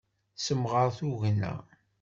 Semɣer tugna.